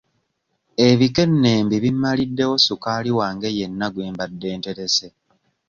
Ebikennembi bimmaliddewo sukaali wange yenna gwe mbadde nterese.